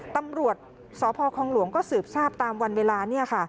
ตำรวจสพคองหลวงก็สืบทราบตามวันเวลา